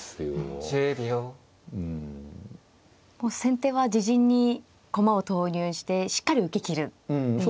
もう先手は自陣に駒を投入してしっかり受けきるっていう。